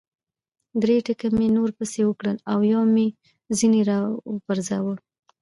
درې ټکه مې نور پسې وکړل او یو مې ځنې را و پرځاوه.